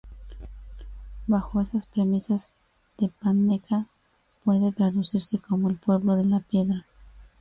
Bajo esas premisas, "tepaneca" puede traducirse como El pueblo de la piedra.